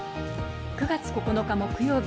９月９日、木曜日。